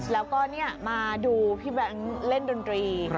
แล้วก็มาดูพี่แบงค์เล่นดนตรี